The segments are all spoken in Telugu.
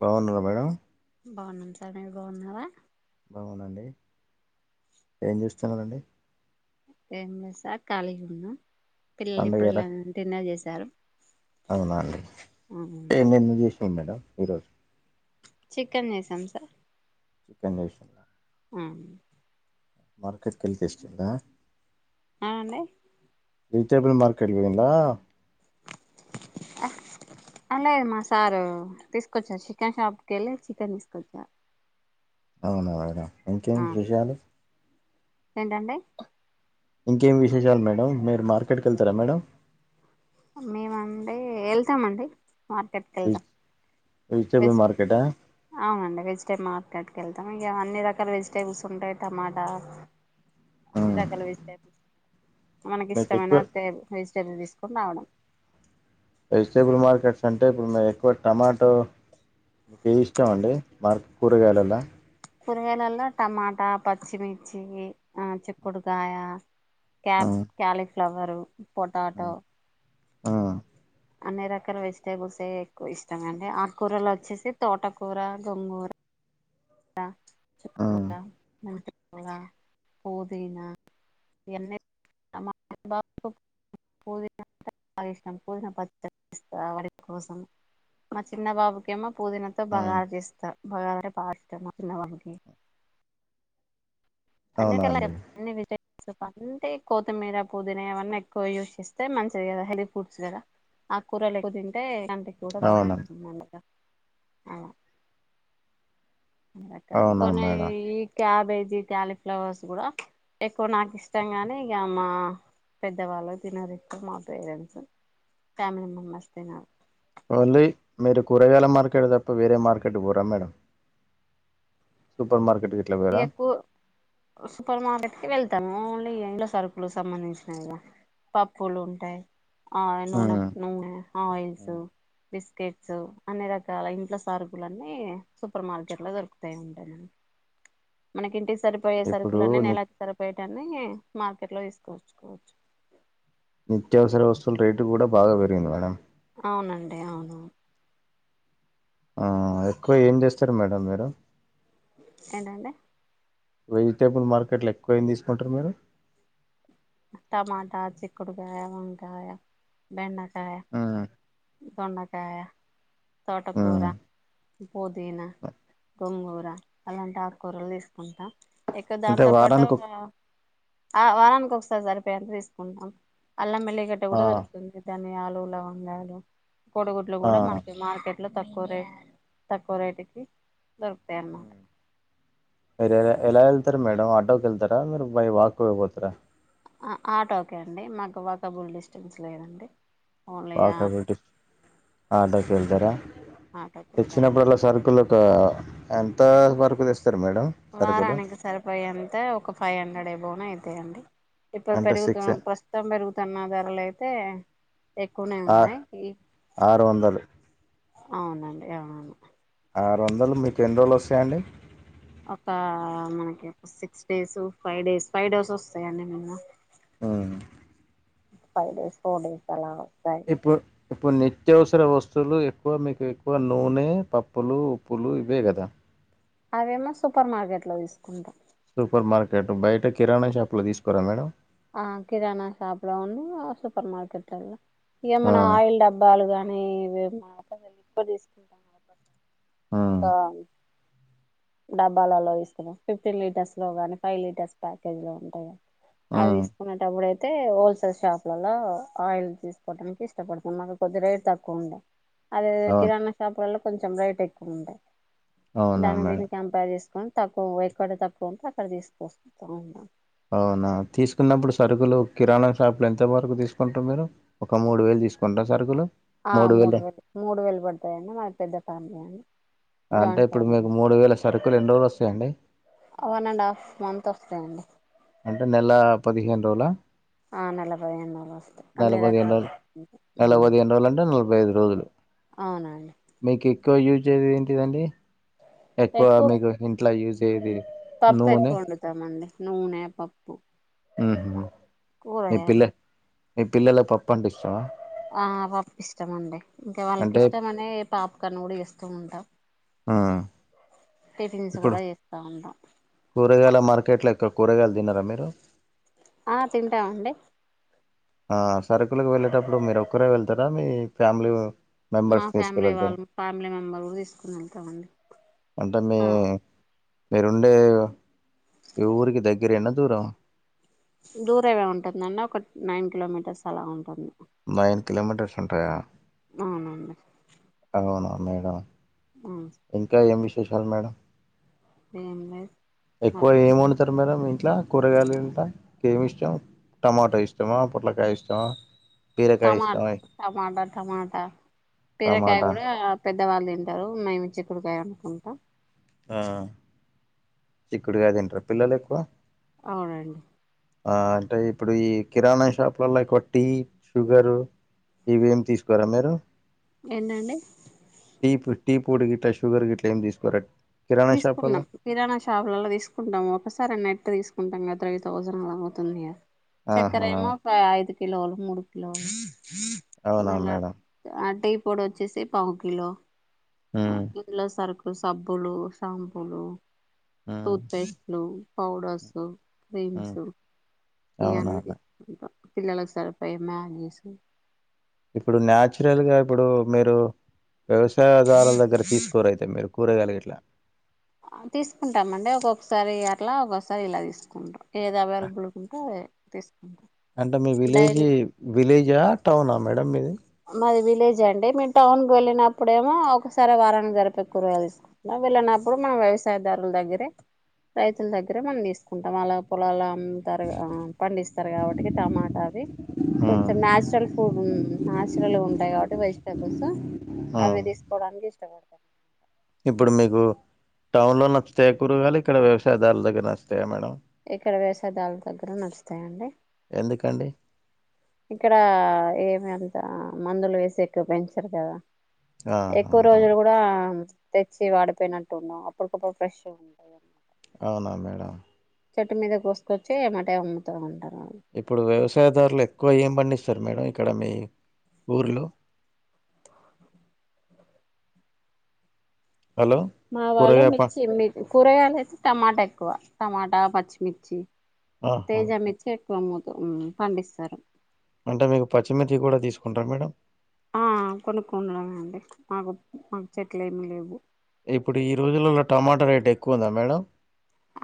బావున్నారా మేడం బావున్నాం సార్ మీరు బావున్నారా అవునండి ఏం చేస్తున్నారండి ఏం లేదు సార్ ఖాళీ గున్నా పిల్లలు పండుగ ఎలా ఇప్పుడులా డిన్నర్ చేశారు అవునా అండి ఏమేమి చేషినరు మేడం ఈరోజు చికెన్ చేసాం సార్ చికెన్ చేషిండ మ్ మార్కెట్ కెళ్ళి తెస్తుందా అవునండి వెజిటేబుల్ మార్కెట్ కెళ్ళిండా ఆఫ లేదు మా సారు తీసుకొచ్చారు చికెన్ షాప్కి వెళ్ళి చికెన్ తీసుకొచ్చారు అవున ఇంకేం విషయాలు ఏంటండి ఇంకేం విశేషాలు మేడం మీరు మార్కెట్కి వెళ్తార మేడం మేము అండి వెళ్తామండి మార్కెట్కి వెజ్ వెళ్తాం వెజిటేబుల్ వెజ్ మార్కెటా అవునండి వెజిటేబ మ ర్కెట్ కెళ్తాం ఇక అన్ని రకాల వెజిటేబుల్స్ ఉంటాయి టమాటా అన్ని ఉమ్. రకాల వెజిటేబుల్స్ మీకు ఎక్కువ మనకిష్టమైను వెజిటేబుల్ తీసుకుని రావడం వెజిటేబుల్ మార్కెట్స్ అంటే ఇప్పుడు ఎక్కువ టమాటో మీ ఇష్టం అండి మార్కు కూరగాయలలా కురగాయలలో టమాటా పచ్చిమిర్చి ఆ చిక్కుడుకాయ కబ్ క్యాలిఫ్లవరు పొటాటో అన్ని రకాల వెజిటేబుల్స్ ఎక్కువ ఇష్టం అండి ఆ కూరలు వచ్చేసి తోటకూర గొంగూర మంటకోళ పొదీనా ఎన్ని టమాటా పప్ పూల్ బాగిష్టం పూదన పస్త వాడి కోసం మా చిన్న బాబుకి ఏమో పూదినతో బగార్ చేస్త బగావర పా చిన్నవ అన్ని అవునా [unintelligible] అండి అన్ని తింటే సో అంటే కొత్తిమీర పొదీన ఏవన్నీ ఎక్కువ యూజ్ చేస్తే మంచిది కదా హెల్దీ ఫుడ్స్ కద ఆక్కూరల్ ఎక్కువ తింటే అవునా గా రకాాల అవునా కొన్ని మేడం ఈ క్యాబేజీ కాలిఫ్ ఫ్లవర్స్ కూడ ఎక్కువ నాకెష్టం గానీ ఇక మా పెద్దవాళ్ళు తినరు ఇప్పు మా పేరెంట్స్ ఫ్యామిలీ మెంబర్స్ తిన ఓన్లీ మీరు కూరగాయల మార్కెట్ తప్ప వేరే మార్కెట్ కూర మేడం సుపర్ మార్కట్ ఎక్కుసూపర్ మార్కెట్ కి వెళ్తు తముఇండ్ల సరుకులు సంబంధించినవి కద పప్పులు ఉంటాయి ఆ నూనె ఉమ్ నూనె ఆయిల్స్ బిస్ కెట్స్ అన్ని రకాల ఇంట్ల సరుకులన్నీ సూపర్ మార్కెట్ లో దొరుకుతా ఉంటా మనకి ఇంటికి సరిపోయే ఇప్పుడు సరుకులని ని నెలాకి సరిపోయేటన్ని మార్కెట్ లో తీసుకోవచ్చుకోవచ్చు నిత్యావసర వస్తువులు రేట్ కూడా బాగా పెరిగింది మేడం అవునండి అవును ఆ ఎక్కువ ఏం చేస్తారు మేడం మీరు ఎంట అంట వెజిటేబుల్ మార్కెట్లో ఎక్కువయింది తీసుకుంటారు మీరు టమాటా చిక్కుడుకాయయా వకాయా బెండకాయయా ఉమ్ దొండకాయ తోటకూర ఉమ్ పుదీనా గొంగూర అలాంటి ఆకూరలు తీసుకుంటాం ఎక్కువ అంటే దాంతో పాటు వారానికి ఒక ఆ వారానికి ఒకసారి సరిపో అంత తీసుకుంటాం అల్లం మెల్లిగట్ట ఆ కూడా దొరుకుతుంది ధనియాలు లవంగాలు కోడిగుడ్లు ఆ కూడా మనకి మార్కెట్ లో తక్కువ రే ట్ తక్కువ రేటుకి దొరుకుతాయి అన్నమాట మీరు ఎలా ఎలా వెళ్తారుా మేడం ఆటోకి వెళ్తారా మీరు బై వాక్ పోయిపోతారా ఆటో ఓకే అండి మాకు ఒకకబుల్ డిస్టెన్స్ లేదండి ఓన్లీ ఆ ఆటో కాబట్టి ఆడ్డకి వెళ్తార ఆటోకి వెళ్తాం తెచ్చినప్పుడల్లా సరుకులకు ఎంతా సరుకులు తెస్త వారానికి సరిపోయంత ఒక ఫైవ్ హండ్రెడ్ అయిబోన అయితాయంండి ఇప్పుడు అంటే పెరుగుతు సిక్స్ ప్రస్తుతం పెరుగుతున్న ధరలయితే ఎక్కువనే ఆ ఉన్నాయి ఈ ఆరు వందలు అవునండి అవును ఆరు వందలు మీకు ఎన్ని రోజులు వస్తాయండి ఒక మనకి six days, five days five days వస్తాయండి మినిమం మ్మ్ ఫైవ్ డేస్ ఫోర్ డేస్ ఎలా ఇప్పుడు ఇప్పుడు నిత్యవసర వస్తువులు ఎక్కువ మీకు ఎక్కువ నూనె, పప్పులు, ఉప్పులు ఇవే కదా అవేమో సూపర్ మార్కెట్ లో తీసుకుంటాం సూపర్ మార్కెట్ బయట కిరాణా షాపు లో తీసుకోరా మేడం ఆహ కిరాణాషాపు లోనూ సూపర్ మార్కెట్ ను ఆ ఏమన్నా ఆయిల్ డబ్బాలు గానీ [inaudible] ఎక్కు తీసుకుంటాం ఆ దా డబ్బాలలో ఇస్తాం ఫిఫ్టీన్ లీటర్స్ లో గానీ ఫైవ్ లీటర్స్ ప్యాకేజ్ లో ఉంటాయి ఆ అవేసుకున్నటప్పుడే అయితే హోల్సేల్ షాప్లలో ఆయిల్ తీసుకోవడానికి ఇష్టపడుతాం మనకు కొద్ది రేట్ తక్కువ ఉండే అదే అవును కిరాణా షాపు లో కొంచెం రీ ఎక్కువుండే అవునా మే [unintelligible] తీసుకొని పక్కకు పోయి ఎక్కడ తక్కువ ఉంటే అక్కడ తీసుకొసుకుంటామ్ అవునా తీసుకున్నప్పుడు సరుకులు కిరాణా షాపులు ఎంత వరకు తీసుకుంటారు మీరు ఒక మూడు వేలు తీసుకుంటార సరుకులు ఆ మూడు వేలు మూడు వేలు పడతాయిండి మా పెద్ద ఫ్యామిలీ అండి అంటే జాయింట్ ఇప్పుడు ఫ్యామిలీ మీకు అండి మూడు వేల సరుకులు ఎన్ని రోజులు వస్తాయండి వన్ అండ్ హాఫ్ మంత్ వస్తాయండి అంటే నెల పదిహేను రోజులా ఆ నలభై [inaudible] నెల అన్ని పదిహేను రోజులు రకాలు నెల పదిహేను రోజులు అంటే నలభై ఐదు రోజులు అవునండి మీకు ఎక్కువ యూజ్ అయేది ఏంటిదండి ఎక్కువ మీకు ఇంట్లో యూజ్ అయ్యేది పప్పు నూనె ఎక్కువ వండుతామండి నూనె, పప్పు మ్మ్ హ్మ్ కూరగాయలు మీ పిల్లలకు పప్పు అంటే ఇష్టామా ఆ పప్పు ఇష్టమండి ఇంకా వాళ్ళకి అంటే ఇష్టం అనే పాప్కార్న్ కూడా చేస్తూ ఉంటా ఆ టిఫిన్స్ ఇప్పుడు కూడా చేస్తా ఉంటా కూరగాయల మార్కెట్లో ఎక్కువ కూరగాయలు తినరా మీరు ఆ తింటామండి ఆ సరుకులకి వెళ్ళేటప్పుడు మీరు ఒక్కరే వెళ్తారా మీ ఫ్యామిలీ మా మెంబర్స్ ఫ్యామిలీ తీసుకెళ్తారా వాళ్ళ ఫ్యామిలీ మెంబర్ తీసుకుని వెళ్తామండి అంటే మీ మీరుండే ఈఊరికి దగ్గరేనా దూరమా దూరమే ఉంటది [unintelligible] ఒక నైన్ కిలోమీటర్స్ అలా ఉంటది నైన్ కిలోమీటర్స్ ఉంటాయా అవునండి అవునా మేడం ఉమ్ ఇంకా ఏం విశేషాలు మేడం ఏంలే ఎక్కువ ఏం వండుతారు మేడం మీ ఇంట్లో కూరగాయలు ఉంటే ఏమి ఇష్టం టమాటా ఇష్టమా పుట్లకాయ ఇష్టమా బీరకాయ టమా ఇష్టమా టమాటా టమాటా బీరకాయ టమాటా కూడా పెద్దవాళ్ళు ఇం ారు మేమి చిక్కుడుకాయ వండుకుంటాం ఆ చిక్కుడుకాయ తింటారు పిల్లలుకు అవునండి ఆ అంటే ఇప్పుడు ఈ కిరాణా షాపులలో ఎక్కువ టీ షుగరు ఇవేమి తీసుకోరా మీరు ఎందండి టీ టీ పొడి గిట్లా షుగర్ గిట్లా ఏం దీసుకోరా తీసుకున్నాం కిరాణషాప్ నెల్ల తీసుకుంటాము ఒకసారి నెట్ తీసుకుంటాం త్రీ థౌసండ్లా అవుతుంది. చక్కర ఆహా ఏమో ఐదు కిలోలు మూడు కిలోలు అవునా మళ్ళా మేడం ఆ టీ పొడి వచ్చేసి పావు కిలో ఉమ్ ఇంట్ల సరుకు సబ్బులు షాంపూలు ఉమ్ టూత్ పేస్ట్లు పౌడర్స్ ఉమ్ క్రీమ్స్ అవునా ఇయన్నీ మేడం. తీసుకుంటాం పిల్లలలకు సరిపోయ మ్యాగీసు ఇప్పుడు న్యాచురల్ గా ఇప్పుడు మీరు వ్యవసాయదారుల దగ్గర తీసుకోరైతే మీరు కూరగాయలుగిట్లా తీసుకుంటామండి ఒక్కొక్కసారి అట్లా ఒక్కొక్కసారి ఇలా తీసుకుంటాం ఏది అవైలబుల్గా ఉంటే అదే తీసుకు అంటే మీ విలేజీ విలేజా టౌనా మేడం మీది మాది విలేజ్ అండి మేము టౌన్ కు వెళ్ళినప్పుడేమో ఒకసారి వారానికి సరిపోయే కూరగాయలు తీసుకుంటాం వేళ్ళన ప్పుడు మనం వ్యవసాయదారుల దగ్గరే రైతుల దగ్గరే మనం తీసుకుంటాం అలా పొలాల ఉమ్ తరగా ఆ పండిస్తారు గాబట్టి టమాటా అవి ఉమ్ కొంచెం నాచురల్ ఫూ నాచు రలుగా ఉంటాయి గాబట్టి వెజిటబుల్స్ అవి ఉమ్ దీసుకోవడానికి ఇష్టపడ ఇప్పుడు మీకు టౌన్ లో నచ్చుతయా కూరగాయలు ఇక్కడ వ్యవసాయదారుల దగ్గర నచ్చుతాయా మేడం ఇక్కడ వ్యవసాయదారుల దగ్గర నచ్చుతాయండి. ఎందుకండి ఇక్కడ ఏమి అంత మందులు వేసి ఎక్కువ పెంచరు గదా ఆహా ఎక్కువ రోజులు అవును గూడా తెచ్చి వాడిపోయినట్టు ఉన్నావ్ అప్పటికప్పుడు ఫ్రెష్ ఉంటాయి అవునా మేడం చెట్టు మీద కొసుకొచ్చి ఏమ్మటే అమ్ముతా ఉంటారు. ఇప్పుడు వ్యవసాయదారులు ఎక్కువ ఏం పండిస్తారు మేడం ఇక్కడ మీ ఊర్లో హలో మా వాళ్ళు కూరగాయ ప మిర్చి కూరగాయలు అయితే టమాటా ఎక్కువ టమాటా పచ్చిమిర్చి ఆహా తేజమిర్చి ఎక్కువ అమ్ముతమ్ పండిస్తారు. అంటే మీకు పచ్చిమిర్చి గూడా తీసుకుంటారా మేడం ఆ కొనుకొనడమే అండి మాకు మాకు చెట్లు ఏమి లేవు. ఇప్పుడు ఈ రోజులలో టమాటా రేట్ ఎక్కువుందా మేడం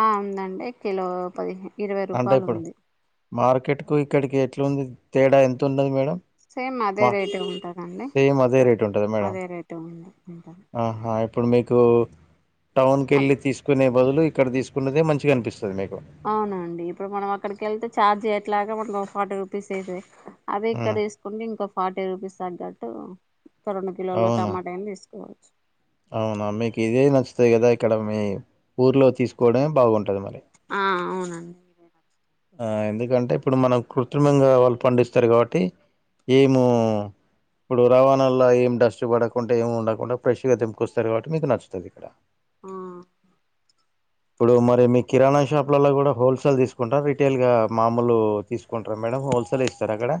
ఆ ఉందండి కిలో పదిహేను అంటే ఇప్పుడు మార్కెట్ కు ఇక్కడికి ఎట్లుంది తేడా ఎంత ఉన్నది మేడం సేమ్ అదే రేటు ఉంటదండి సేమ్ అదే రేట్ ఉంటదా మేడం అదే రేటు ఉంది ఉంటుంది ఆహా ఇప్పుడు మీకు టౌన్కి యెళ్ళి తీసుకునే బదులు ఇక్కడ తీసుకున్నదే మంచిగా అనిపిస్తది మీకు అవునండి ఇప్పుడు మనం అక్కడికి యెళ్తే ఛార్జ్ ఎట్లాగా మనం ఒక ఫార్టీ రూపీస్ అయితది అదే ఆ! ఇక్కడ తీసుకుంటే ఇంకో ఫార్టీ రూపీస్ తగ్గట్టు ఒక రెండు కిలోలు అవునా టమాటా అయినా తీసు కోవచ్చు అవునా మీకు ఇదే నచ్చుతాయి గదా ఇక్కడ మీ ఊర్లో తీసుకోవడమే బాగుంటది మరి ఆ అవునండి ఆ ఎందుకంటే ఇప్పుడు మన కృత్రిమంగా వాళ్ళు పండిస్తారు కాబట్టి ఏమో ఇప్పుడు రవాణాల్లో ఏం డస్ట్ పడకుండా ఏమి ఉండకుండా ఫ్రెష్ గా తెంపుకొస్తారు కాబట్టి మీకు నచ్చుతది ఇక్కడ ఉమ్ ఇప్పుడు మరి మీ కిరాణా షాప్లలో కూడా హోల్సేల్ తీసుకుంటారు రిటైయిల్ గా మామూలు తీసుకుంటార మేడం అడ హోల్సేలె ఇస్తాడ అక్కడ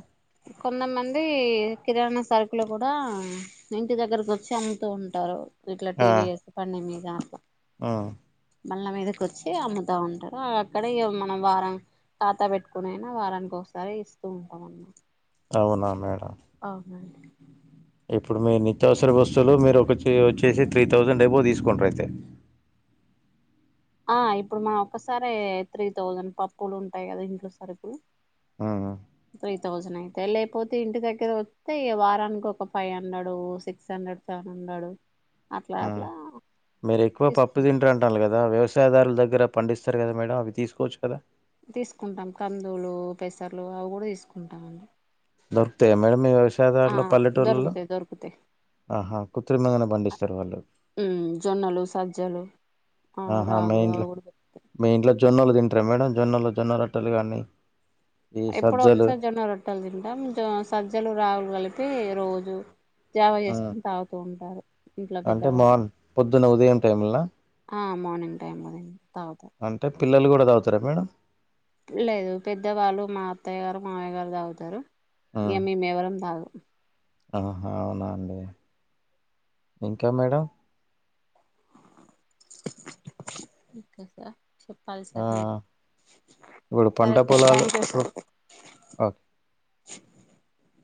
కొంతమంది కిరాణా సరుకులు కూడా ఇంటి దగ్గరకు వచ్చి అమ్ముతూ ఉంటారు. ఇట్లా ఆ టీవీఎస్ బండి మిద హ్మ్. బళ్ళ మీదకి వచ్చి అమ్ముతా ఉంటారు అక్కడ మనం వారం ఖాతా పెట్టుకు అనా వారానికి ఒకసారి ఇస్తూ ఉంటాం అన్న అవునా మేడ అవునాండి ఇప్పుడు మీ నిత్యావసర వస్తువులు మీరు ఒక వచ్చేసి త్రీ థౌజండ్ ఎబో తీసుకుంటారు అయితే ఆ ఇప్పుడు మనం ఒక్కసారే త్రీ థౌజండ్ పప్పులు ఉంటాయి కదా ఇంట్లో సరికు ఆహా థౌజండ్ అయితే లేకపోతే ఇంటి దగ్గర వస్తే వారానికి ఒక five hundred six hundred seven hundred hundred ఆ మీరు ఎక్కువ పప్పు తీసుకుంటాం తింటరు అంటల్లు కదా వ్యవస్ యరాదారులగ్గర పండిస్తారు కదా మేడం అవి తీస్కోచ్చు కదా తీసుకుంటాం కందులు పెసర్లు అవి కూడా తీసుకుంటామ అండి దొరుకుతాయా మేడం మీ వ్యవసాయదారులో పల్లెటూళ్లలో దొరుకుతాయి దొరుకుతాయి ఆహా క్రుత్రిమంగానే పండిస్తారు వాళ్ళు ఉమ్ జొన్నలు సజ్జలు ఆ ఆహా మీ రాగులు అవి ఇంట్లో కూడా దొరుకుతాయి. మీ ఇంట్లో జొన్నలు తింటారు మేడం జొన్నలో జొన్నలు రోట్టెలు కానీ ఈ ఎప్పుడొ సజ్జలు ఒకసారిజొన్న రొట్టెలు తింటాం జో సజ్జలు రాగులు కలిపి రోజు జావ ఆ, చేసుకోని తాగుతూ ఉంటారు ఇంట్లో అంటే పెద్దవాళ్ళు మార్న్ పొద్దున ఉదయం టైంలా ఆ మార్నింగ్ టైమ్లోనే తాగుత అంటే పిల్లలు కూడా తాగుతారా మేడం లేదు పెద్దవాళ్ళు మా అత్తయ్య గారు మావయ్య గారు తాగుతారు ఇక మేమేవరం తాగం అహా అవునా అండి ఇంకా మేడం ఇంక చెప్ప కాలి ఆ సర్ ఇప్పుడు పంట సరే సర్ పొలాలు థ్యాంక్యు ఇప్పుడు సార్ ఆ, [inaudible]